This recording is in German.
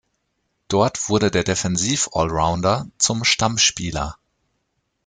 Dort wurde der Defensiv-Allrounder zum Stammspieler.